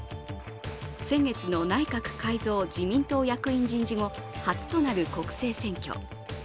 先月の内閣改造・自民党役員人事後、初となる国政選挙。